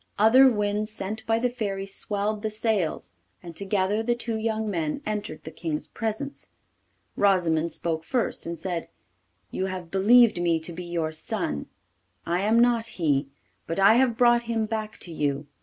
Other winds sent by the Fairy swelled the sails, and together the two young men entered the King's presence. Rosimond spoke first and said, 'You have believed me to be your son. I am not he, but I have brought him back to you.